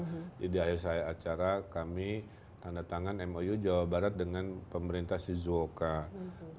jadi di akhir selai acara kami tanda tangan mou jawa barat dengan pembangunan